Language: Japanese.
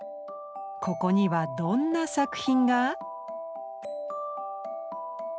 ここにはどんな作品が？